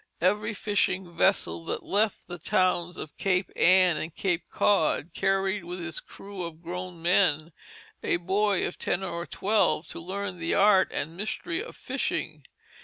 Every fishing vessel that left the towns of Cape Ann and Cape Cod carried, with its crew of grown men, a boy of ten or twelve to learn "the art and mystery" of fishing.